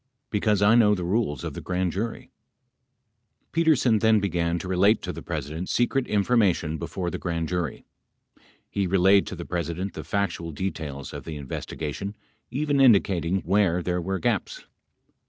Because I know the rules of the grand jury . 41 [Emphasis added.] Petersen then began to relate to the President secret information before the grand jury. He relayed to the President the factual details of the investigation, even indicating where there were gaps.